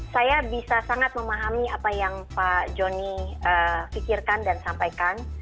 saya bisa sangat memahami apa yang pak joni pikirkan dan sampaikan